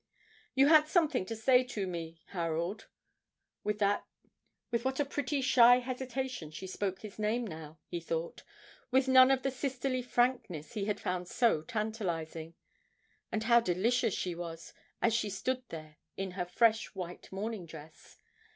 'You had something to say to me Harold?' With what a pretty shy hesitation she spoke his name now, he thought, with none of the sisterly frankness he had found so tantalising; and how delicious she was as she stood there in her fresh white morning dress.